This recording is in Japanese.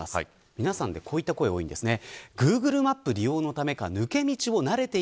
皆さんでこういった声が多いんですね。